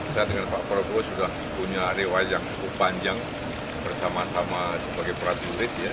saya dengan pak prabowo sudah punya rewajang cukup panjang bersama sama sebagai prasurit ya